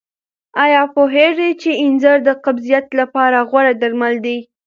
آیا پوهېږئ چې انځر د قبضیت لپاره غوره درمل دي؟